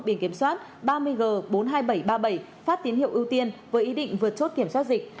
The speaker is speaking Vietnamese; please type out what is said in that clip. biển kiểm soát ba mươi g bốn mươi hai nghìn bảy trăm ba mươi bảy phát tín hiệu ưu tiên với ý định vượt chốt kiểm soát dịch